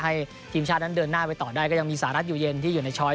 ทีมชาตินั้นเดินหน้าไปต่อได้ก็ยังมีสหรัฐอยู่เย็นที่อยู่ในช้อย